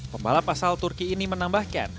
pembalap asal turki ini menambahkan